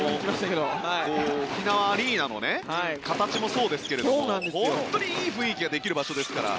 沖縄アリーナの形もそうですけども本当にいい雰囲気ができる場所ですからね。